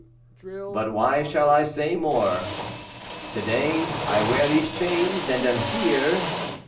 But why shall I say more? To day I wear these chains, and am here!